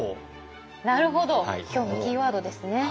なるほど今日のキーワードですね。